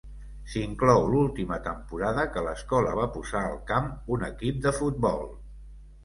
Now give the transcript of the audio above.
S'inclou l'última temporada que l'escola va posar al camp un equip de futbol.